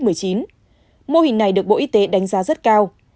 mô hình này được bộ y tế đánh giá rất cao